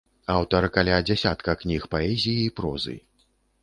Аўтар каля дзясятка кніг паэзіі і прозы.